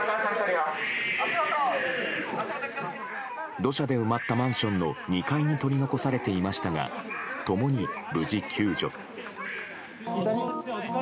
土砂で埋まったマンションの２階に取り残されていましたが共に無事、救助。